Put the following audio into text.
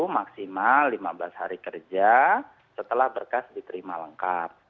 maksimal lima belas hari kerja setelah berkas diterima lengkap